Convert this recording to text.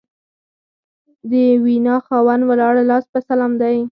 د وینا خاوند ولاړ لاس په سلام دی